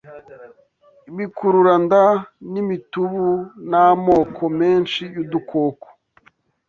ibikururanda n’imitubu n’amoko menshi y’udukoko